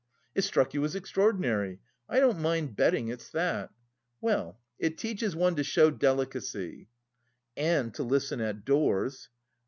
It struck you as extraordinary; I don't mind betting it's that. Well, it teaches one to show delicacy!" "And to listen at doors!"